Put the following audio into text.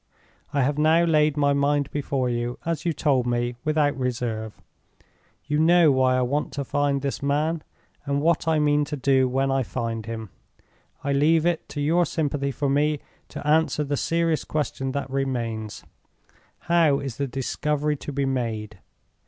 "I have now laid my mind before you, as you told me, without reserve. You know why I want to find this man, and what I mean to do when I find him. I leave it to your sympathy for me to answer the serious question that remains: How is the discovery to be made?